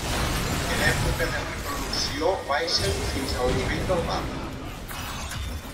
En època de reproducció baixen fins al nivell del mar.